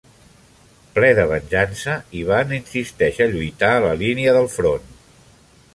Ple de venjança, Ivan insisteix a lluitar a la línia del front.